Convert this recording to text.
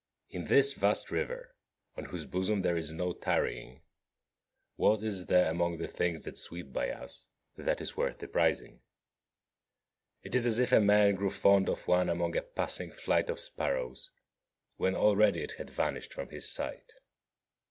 In this vast river, on whose bosom there is no tarrying, what is there among the things that sweep by us that is worth the prizing? It is as if a man grew fond of one among a passing flight of sparrows, when already it had vanished from his sight.